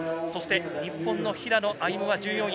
日本の平野歩夢は１４位。